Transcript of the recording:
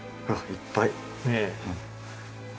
いっぱい。